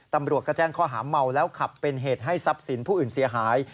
ตำรวจก็แจ้งข้อหาเมาแล้วขับเป็นเหตุให้ทรัพย์สินผู้อื่นเสียหาย